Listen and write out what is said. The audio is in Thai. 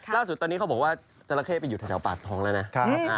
ล่าสุดตอนนี้เขาบอกว่าจราเข้ไปอยู่แถวปากท้องแล้วนะ